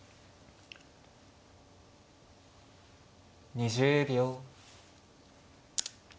２０秒。